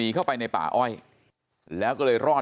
ทำให้สัมภาษณ์อะไรต่างนานไปออกรายการเยอะแยะไปหมด